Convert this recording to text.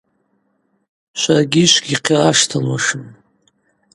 Шваргьи швгьихъираштылуашым.